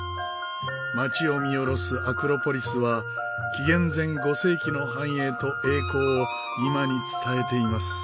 街を見下ろすアクロポリスは紀元前５世紀の繁栄と栄光を今に伝えています。